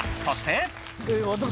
そして私。